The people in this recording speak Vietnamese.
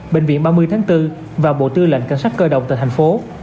bệnh viện ba mươi tháng bốn và bộ tư lệnh cảnh sát cơ động tại thành phố